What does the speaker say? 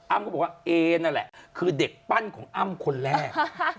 ก็บอกว่าเอนั่นแหละคือเด็กปั้นของอ้ำคนแรก